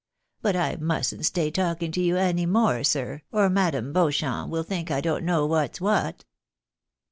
But I mustn't stay talking to you any more now, sir, or Madame Beauchamp will think I don't know what's what."